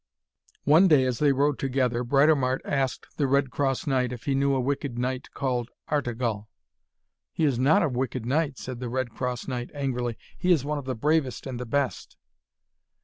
One day as they rode together, Britomart asked the Red Cross Knight if he knew a wicked knight called Artegall. 'He is not a wicked knight,' said the Red Cross Knight angrily. 'He is one of the bravest and the best.'